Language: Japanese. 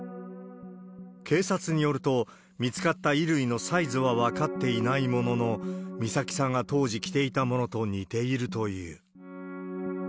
警察によると、見つかった衣類のサイズは分かっていないものの、美咲さんが当時着ていたものと似ているという。